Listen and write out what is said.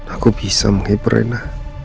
aku bisa menghibur rena